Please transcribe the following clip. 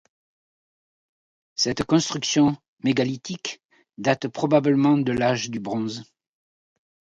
Cette construction mégalithique date probablement de l'Age du bronze.